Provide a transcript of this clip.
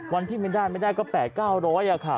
วันที่ไม่ได้ไม่ได้ก็แปดเก้าร้อยอ่ะค่ะ